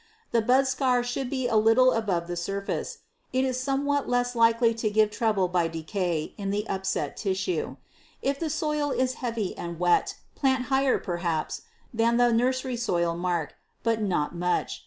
The bud scar should be a little above the surface. It is somewhat less likely to give trouble by decay in the upset tissue. If the soil is heavy and wet, plant higher, perhaps, than the nursery soil mark, but not much.